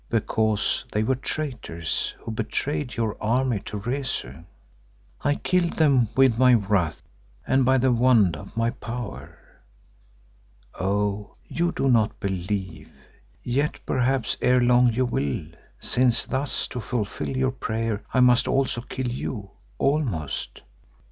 Because they were traitors who betrayed your army to Rezu, I killed them with my wrath and by the wand of my power. Oh! you do not believe, yet perhaps ere long you will, since thus to fulfil your prayer I must also kill you—almost.